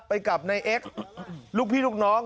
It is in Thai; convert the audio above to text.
ไปกับนายเอ็กซ์ลูกพี่ลูกน้อง